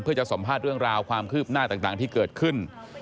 เพื่อจะสัมภาษณ์เรื่องราวความคืบหน้าต่างที่เกิดขึ้น